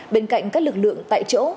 bên cạnh các lực lượng tại chỗ